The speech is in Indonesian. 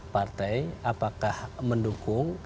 partai apakah mendukung